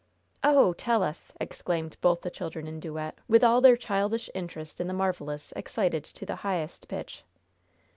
"Oh, tell us!" exclaimed both the children in duet, with all their childish interest in the marvelous excited to the highest pitch.